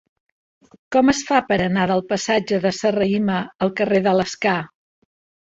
Com es fa per anar del passatge de Serrahima al carrer de l'Escar?